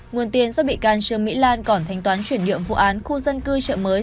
nguồn tiền do bị can trương mỹ lan còn thanh toán chuyển nhượng vụ án khu dân cư chợ mới